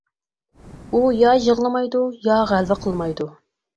ئۇ يا يىغلىمايدۇ، يا غەلۋە قىلمايدۇ.